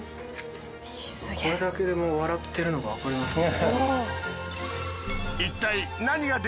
これだけでもう笑ってるのがわかりますね。